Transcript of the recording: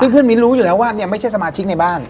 เพื่อนมิ้นรู้อยู่แล้วว่าเนี่ยไม่ใช่สมาชิกในบ้าน